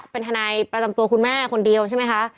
เป็นทนายประจำตัวคุณแม่คนเดียวใช่ไหมคะ